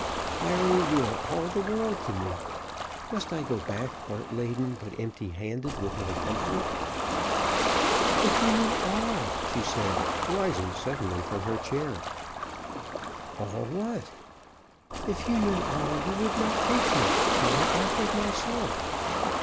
"Clary, you are all the world to me. Must I go back heart laden, but empty handed, with no comfort?" "If you knew all!" she said, rising suddenly from her chair. "All what?" "If you knew all, you would not take me though I offered myself."